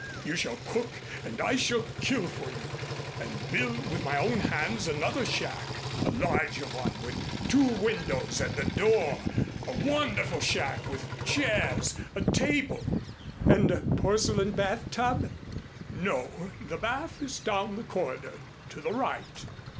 You shall cook and I shall kill for you, and build with my own hands another shack, a larger one with two windows and a door a wonderful shack with chairs, a table " "And a porcelain bathtub?" "No the bath is down the corridor to the right."